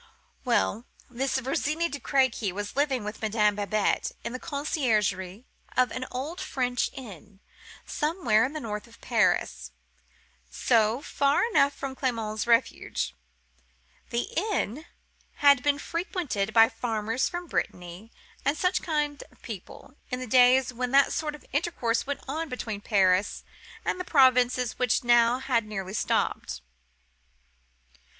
"Well: this Virginie de Crequy was living with Madame Babette in the conciergerie of an old French inn, somewhere to the north of Paris, so, far enough from Clement's refuge. The inn had been frequented by farmers from Brittany and such kind of people, in the days when that sort of intercourse went on between Paris and the provinces which had nearly stopped now.